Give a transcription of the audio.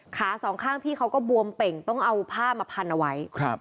สองข้างพี่เขาก็บวมเป่งต้องเอาผ้ามาพันเอาไว้ครับ